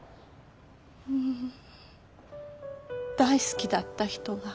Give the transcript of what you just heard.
ううん大好きだった人が。